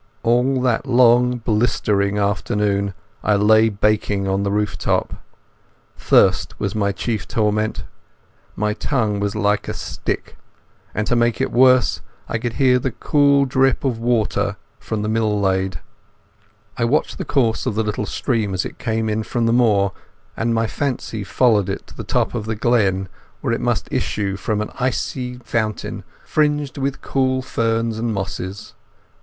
All that long blistering afternoon I lay baking on the rooftop. Thirst was my chief torment. My tongue was like a stick, and to make it worse I could hear the cool drip of water from the mill lade. I watched the course of the little stream as it came in from the moor, and my fancy followed it to the top of the glen, where it must issue from an icy fountain fringed with cool ferns and mosses.